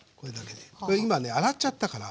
これ今ね洗っちゃったから。